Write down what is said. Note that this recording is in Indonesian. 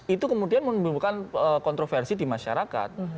itu kemudian menimbulkan kontroversi di masyarakat